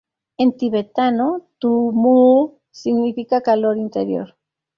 En tibetano "tu-mmo" significa ‘calor interior’.